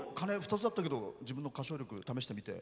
鐘２つだったけど自分の歌唱力、試してみて。